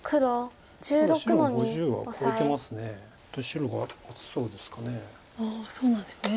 白が厚そうですか。